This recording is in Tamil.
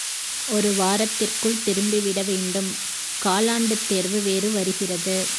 ஒரு வாரத்திற்குள் திரும்பிவிட வேண்டும் காலாண்டு தேர்வு வேறு வருகிறது.